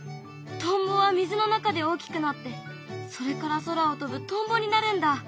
トンボは水の中で大きくなってそれから空を飛ぶトンボになるんだ。